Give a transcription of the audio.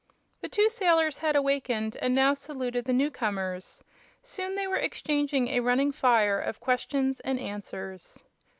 The two sailors had awakened and now saluted the new comers. Soon they were exchanging a running fire of questions and answers.